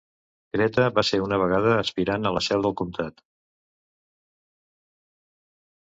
Creta va ser una vegada aspirant a la seu del comtat.